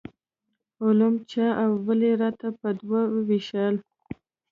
علوم چا او ولې راته په دوو وویشل.